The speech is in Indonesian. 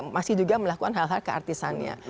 masih juga melakukan hal hal keartisannya